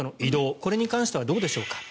これに関してはどうでしょうか。